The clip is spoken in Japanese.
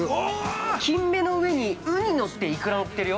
◆金目の上にウニのって、イクラのってるよ。